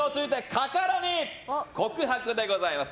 カカロニで告白でございます。